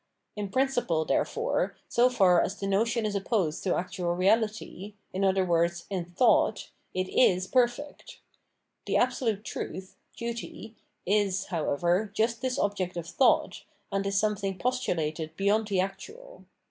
In principle, therefore, so fai as the notion is opposed to actual reality, in othei words, in thmgU, it is perfect. The absolute truth [duty] is, however, just this object of thought, and is something postulated beyond the actual.